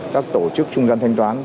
các tổ chức trung gian thanh toán